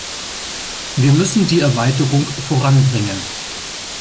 Wir müssen die Erweiterung voranbringen.